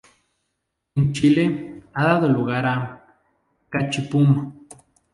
En Chile, ha dado lugar a "ca-chi-pún".